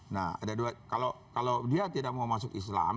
nah ada dua kalau dia tidak mau masuk islam